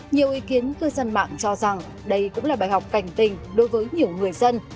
nhiều ý kiến cư dân mạng cho rằng đây cũng là bài học cảnh tình đối với nhiều người dân